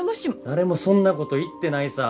誰もそんなこと言ってないさ。